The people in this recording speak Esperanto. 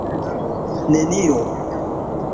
nenio